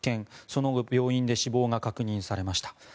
その後、病院で死亡が確認されました。